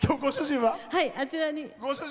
あちらに。